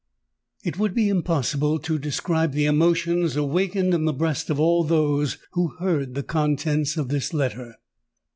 It would be impossible to describe the emotions awakened in the breast of all those who heard the contents of this letter.